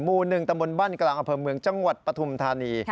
หมู่๑ตำบลบ้านกลางอำเภอเมืองจังหวัดปฐุมธานี